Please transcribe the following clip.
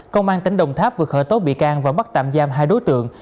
công an tỉnh đồng tháp vừa khởi tố bị can và bắt tạm giam hai đối tượng